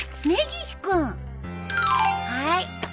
はい。